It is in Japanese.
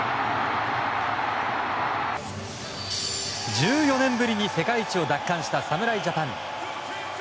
１４年ぶりに世界一を奪還した侍ジャパン。